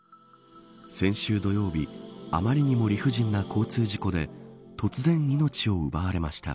先週、土曜日あまりにも理不尽な交通事故で突然、命を奪われました。